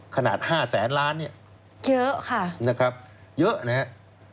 ขนาด๕แสนล้านเนี่ยเยอะค่ะนะครับเยอะนะครับ